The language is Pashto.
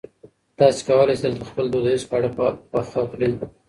تاسي کولای شئ دلته خپل دودیز خواړه پخ کړي.